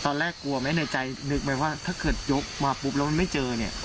ตอนแรกกลัวไหมในใจนึกไหมว่าถ้าเกิดยกมาปุ๊บแล้วมันไม่เจอเนี่ย